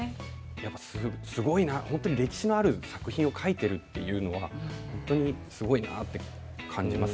やっぱすごいな本当に歴史のある作品を描いてるっていうのは本当にすごいなって感じますね。